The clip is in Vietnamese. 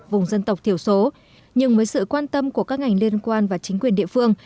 vùng dân tộc thiểu số nhưng với sự quan tâm của các ngành liên quan và chính quyền địa phương